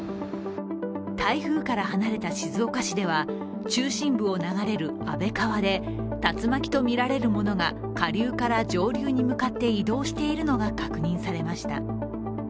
台風から離れた静岡市では中心部を流れる安倍川で、竜巻とみられるものが下流から上流に向かって移動しているのが見つかりました。